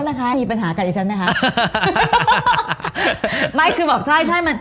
โทษนะคะมีปัญหากันไอ้ฉันไหมคะ